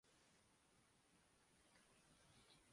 مستحق سزا تو تھانے والی ہونی چاہیے۔